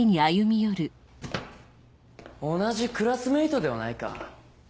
同じクラスメートではないか。